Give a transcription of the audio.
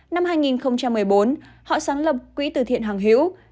năm hai nghìn một mươi bốn họ sáng lập quỹ từ thiện hằng hiễu